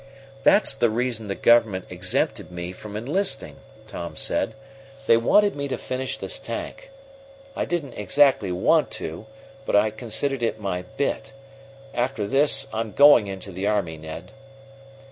"That's the reason the government exempted me from enlisting," Tom said. "They wanted me to finish this tank. I didn't exactly want to, but I considered it my 'bit.' After this I'm going into the army, Ned."